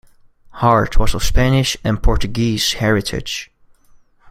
Hart was of Spanish and Portuguese heritage.